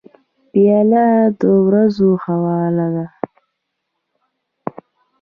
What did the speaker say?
پیاله د ورځو خواله ده.